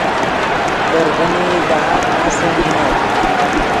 لیرڤنئی داہات ناسے نینت